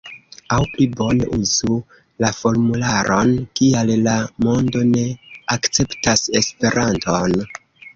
Aŭ pli bone uzu la formularon: Kial la mondo ne akceptas Esperanton?